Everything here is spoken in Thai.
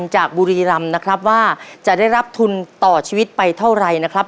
จากบุรีรำนะครับว่าจะได้รับทุนต่อชีวิตไปเท่าไรนะครับ